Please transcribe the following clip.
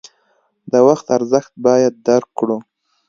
د وخت ارزښت باید درک کړو.